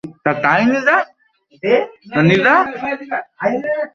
সে আমাকে অল্প পাইয়াছিল বলিয়াই আমাকে পাইবার আকাঙক্ষা তাহার কিছুতেই মিটিতে চাহিত না।